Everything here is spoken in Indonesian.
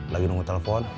lagi nunggu telepon